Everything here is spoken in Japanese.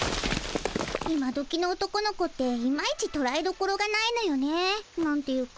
今どきの男の子っていまいちとらえどころがないのよね。なんていうか。